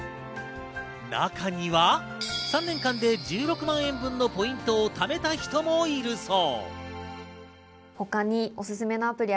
中には３年間で１６万円分のポイントを貯めた人もいるそう。